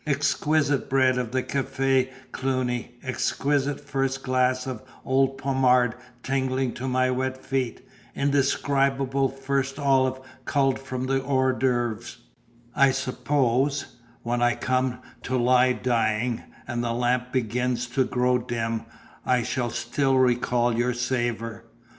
Exquisite bread of the Cafe Cluny, exquisite first glass of old Pomard tingling to my wet feet, indescribable first olive culled from the hors d'oeuvre I suppose, when I come to lie dying, and the lamp begins to grow dim, I shall still recall your savour.